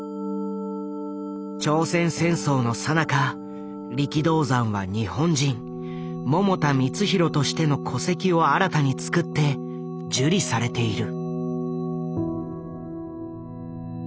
朝鮮戦争のさなか力道山は日本人百田光浩としての戸籍を新たに作って受理されている。